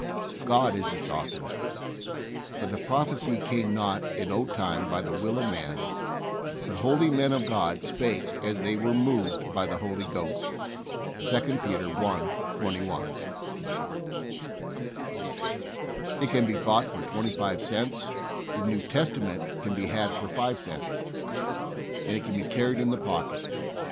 God is its author. "For the prophecy came not in old time by the will of man; but holy men of God spake as they were moved by the Holy Ghost." (2 Peter i : 21.) It can be bought for twenty five cents ; the New Testament can be had for five cents, and it can be carried in the pocket.